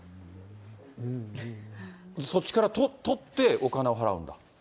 そっちから取って、お金を払うんだ。